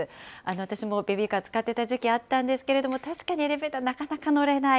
私もベビーカー、使っていた時期あったんですけれども、確かにエレベーター、なかなか乗れない。